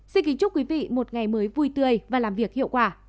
xin kính chúc quý vị một ngày mới vui tươi và làm việc hiệu quả